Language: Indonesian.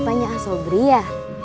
bapaknya asobri ya